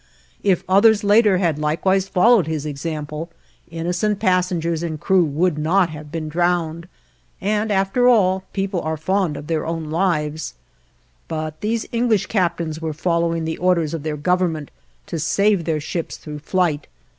If others later had likewise followed his example, innocent passengers and crew would not have been drowned; and after all, people are fond of their own lives; but these English captains were following the orders of their Government to save their ships through flight.